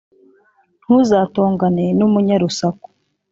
Ntuzatongane n’umunyarusaku